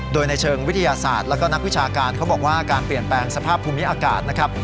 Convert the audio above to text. โดยในเชิงวิทยาศาสตร์แล้วก็นักวิชาการเขาบอกว่าการเปลี่ยนแปลงสภาพภูมิอากาศนะครับ